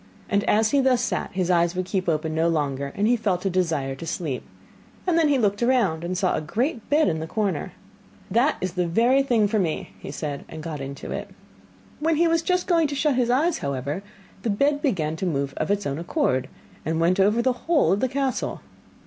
And as he thus sat, his eyes would keep open no longer, and he felt a desire to sleep. Then he looked round and saw a great bed in the corner. 'That is the very thing for me,' said he, and got into it. When he was just going to shut his eyes, however, the bed began to move of its own accord, and went over the whole of the castle.